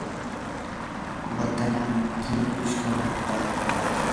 watanna tinkushunpaq.